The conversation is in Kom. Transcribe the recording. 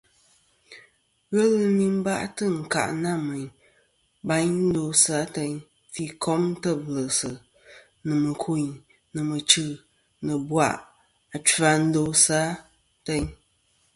Ghelɨ nɨn bâytɨ̀ ɨnkâʼ nâ mèyn bayn ndosɨ ateyn, fî kom têblɨ̀sɨ̀, nɨ̀ mɨ̀kûyn, nɨ̀ mɨchî, nɨ̀ ɨ̀bwàʼ achfɨ a ndosɨ ateyn.